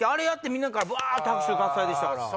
みんなからバっと拍手喝采でしたから。